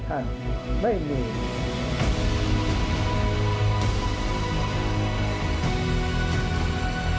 ภาคอีสานแห้งแรง